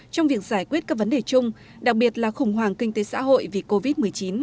trong việc giải quyết các vấn đề chung đặc biệt là khủng hoảng kinh tế xã hội vì covid một mươi chín